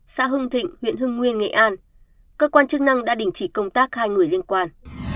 xã hưng thịnh huyện hưng nguyên nghệ an cơ quan chức năng đã đình chỉ công tác hai người liên quan